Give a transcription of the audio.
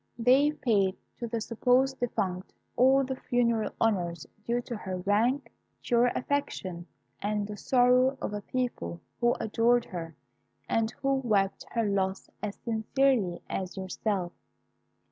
They paid to the supposed defunct all the funeral honours due to her rank, to your affection, and the sorrow of a people who adored her, and who wept her loss as sincerely as yourself.